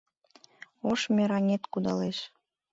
Ош мераҥет кудалеш.